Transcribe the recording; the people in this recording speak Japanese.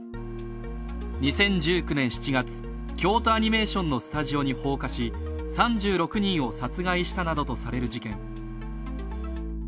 ２０１９年７月京都アニメーションのスタジオに放火し３６人を殺害したなどとされる事件。